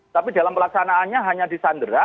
tapi dalam pelaksanaannya hanya disandera